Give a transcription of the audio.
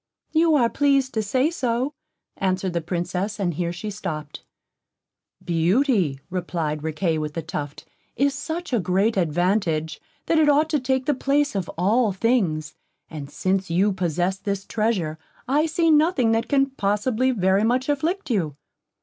"You are pleased to say so," answered the Princess, and here she stopped. "Beauty," replied Riquet with the Tuft, "is such a great advantage, that it ought to take the place of all things; and since you possess this treasure, I see nothing that can possibly very much afflict you."